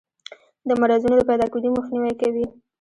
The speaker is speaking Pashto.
د مرضونو د پیداکیدو مخنیوی کوي.